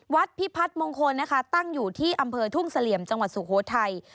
พิพัฒน์มงคลนะคะตั้งอยู่ที่อำเภอทุ่งเสลี่ยมจังหวัดสุโขทัย